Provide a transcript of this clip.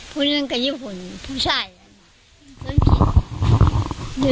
พวกนั้นก็ญี่ปุ่นผู้ชายเป็น